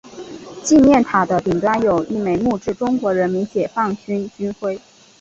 纪念塔的顶端有一枚木质中国人民解放军军徽。